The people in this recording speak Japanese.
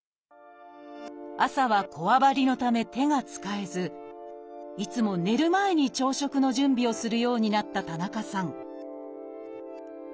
朝はこわばりのため手が使えずいつも寝る前に朝食の準備をするようになった田中さん